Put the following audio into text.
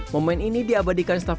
momen ini diabadikan staff